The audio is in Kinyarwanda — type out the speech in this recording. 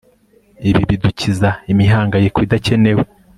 ibi bidukiza imihangayiko idakenewe